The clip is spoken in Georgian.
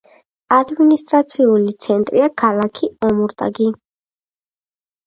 ადმინისტრაციული ცენტრია ქალაქი ომურტაგი.